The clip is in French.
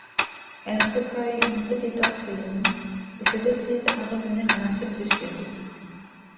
Elle recueille une petite orpheline, et se décide à revenir en Afrique du Sud.